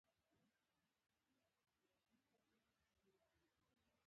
دوښمن یې پر همدې ارمان خوشحال ساتلی.